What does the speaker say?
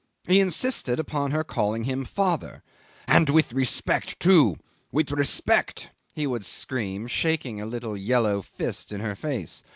He insisted upon her calling him father "and with respect, too with respect," he would scream, shaking a little yellow fist in her face.